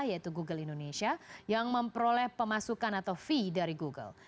yaitu google indonesia yang memperoleh pemasukan atau fee dari google